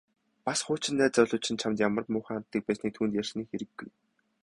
Бас хуучин найз залуу чинь чамд ямар муухай ханддаг байсныг түүнд ярьсны хэрэггүй.